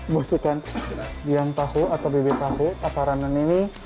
busukan yang tahu atau bibit tahu taparanan ini